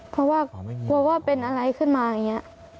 เพราะว่ากลัวว่าเป็นอะไรขึ้นมาอย่างนี้